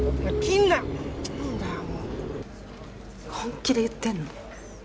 何だよもう本気で言ってんの？